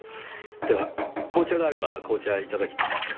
では紅茶があれば紅茶頂きます。